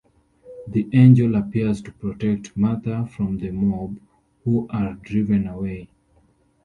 The angel appears to protect Martha from the mob, who are driven away.